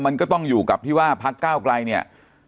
มันก็ต้องอยู่กับที่ว่าพักก้าวไกลเนี่ย